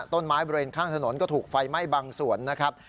บริเวณข้างถนนก็ถูกไฟไหม้บางส่วนนะครับ